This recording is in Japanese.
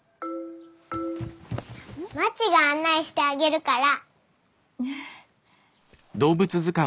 まちが案内してあげるから。